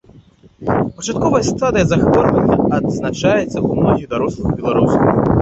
Пачатковая стадыя захворвання адзначаецца ў многіх дарослых беларусаў.